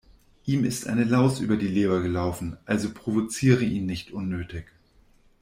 Ihm ist eine Laus über die Leber gelaufen, also provoziere ihn nicht unnötig.